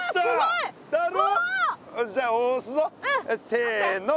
せの。